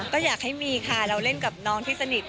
ก็อยากให้มีค่ะเราเล่นกับน้องที่สนิท